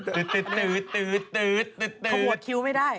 ขบวดคิวไม่ได้